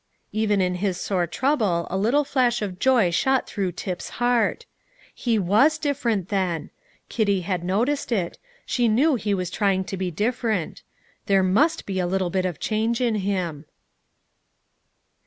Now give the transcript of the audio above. Even in his sore trouble a little flash of joy shot through Tip's heart. He was different, then. Kitty had noticed it; she knew he was trying to be different. There must be a little bit of change in him.